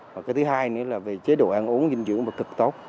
cái thứ hai nữa là về chế độ ăn uống dinh dưỡng cực tốt